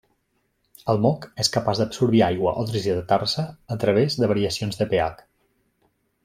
El moc és capaç d’absorbir aigua o deshidratar-se a través de variacions de pH.